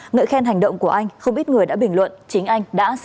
ngợi khen hành động của anh không ít người đã bình luận chính anh đã sinh ra bé lần thứ hai